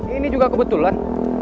ini juga kebetulan